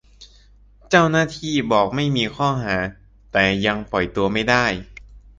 เจ้าหน้าที่บอกไม่มีข้อหา-แต่ยังปล่อยตัวไม่ได้